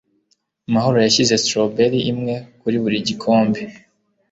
Mahoro yashyize strawberry imwe kuri buri gikombe.